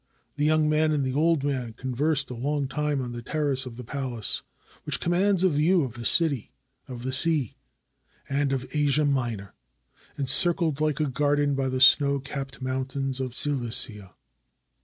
The young man and the old man conversed a long time on the terrace of the palace, which commands a view of the city, of the sea, and of Asia Minor, encircled like a garden by the snow capped mountains of Cilicia.